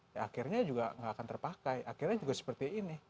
ya akhirnya juga nggak akan terpakai akhirnya juga seperti ini